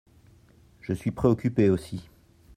Je suis préoccupé aussi.